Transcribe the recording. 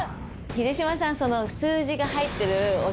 秀島さん。